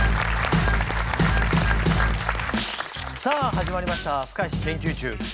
さあ始まりました「不可避研究中」。